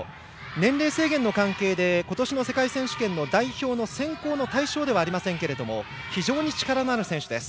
年齢制限の関係で今年の世界選手権の代表の選考の対象ではありませんけれども非常に力のある選手です。